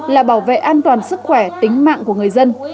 là bảo vệ an toàn sức khỏe tính mạng của người dân